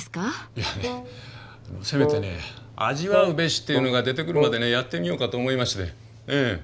いやねせめてね「味わうべし」というのが出てくるまでねやってみようかと思いまして。